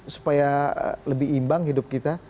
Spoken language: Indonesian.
supaya lebih imbang hidup kita